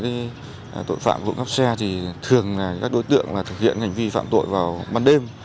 với tội phạm vụ cắp xe thì thường các đối tượng thực hiện hành vi phạm tội vào ban đêm